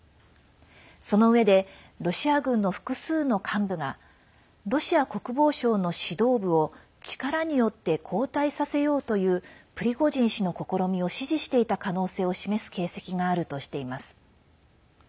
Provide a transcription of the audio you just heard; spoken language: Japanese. そのうえでロシア軍の複数の幹部がロシア国防省の指導部を力によって交代させようというプリゴジン氏の試みを支持していた可能性を示す形跡があるとしています。